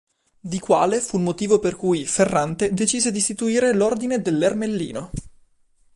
Di quale fu il motivo per cui Ferrante decise di istituire l'Ordine dell'Ermellino.